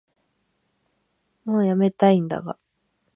もうやめたいんだが